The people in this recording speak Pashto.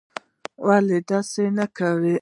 ولي داسې نه کوې?